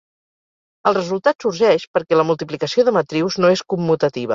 El resultat sorgeix perquè la multiplicació de matrius no és commutativa.